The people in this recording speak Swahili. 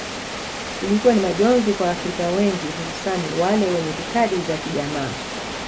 Ilikuwa ni majonzi kwa waafrika wengi hususani wale wenye itikadi za kijamaa